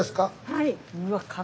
はい。